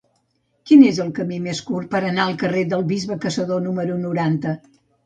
Quin és el camí més curt per anar al carrer del Bisbe Caçador número noranta?